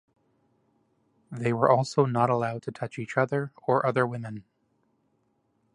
They were also not allowed to touch each other or other women.